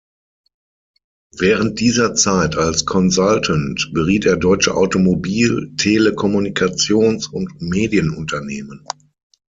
Während dieser Zeit als Consultant beriet er deutsche Automobil-, Telekommunikations- und Medienunternehmen.